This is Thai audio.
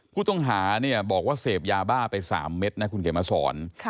ผู้ต้องหาบอกว่าเสพยาบ้าไป๓เมตร